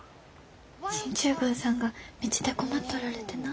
進駐軍さんが道で困っとられてな。